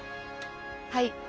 はい。